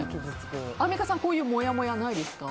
アンミカさんこういうもやもやないですか？